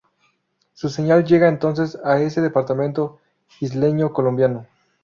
Su señal llega entonces a ese departamento isleño colombiano.